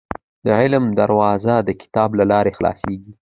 • د علم دروازه، د کتاب له لارې خلاصېږي.